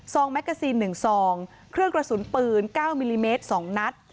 แมกกาซีน๑ซองเครื่องกระสุนปืน๙มิลลิเมตร๒นัด